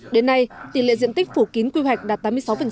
đến nay tỷ lệ diện tích phủ kín quy hoạch đạt tám mươi sáu